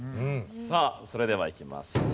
さあそれではいきます。